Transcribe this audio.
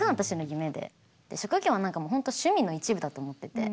職業なんかもう本当趣味の一部だと思ってて。